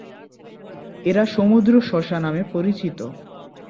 এরা সমুদ্র শসা নামে পরিচিত।